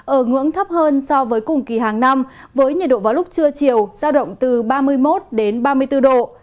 ở ngưỡng thấp hơn so với cùng kỳ hàng năm với nhiệt độ vào lúc trưa chiều giao động từ ba mươi một ba mươi bốn độ